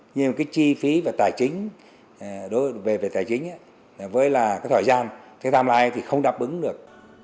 nhưng chi phí và tài chính về tài chính với thời gian tham lai thì không đáp ứng được